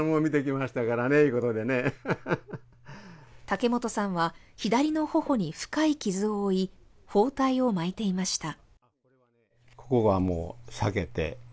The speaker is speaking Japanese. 竹本さんは左の頬に深い傷を負い、包帯を巻いていました。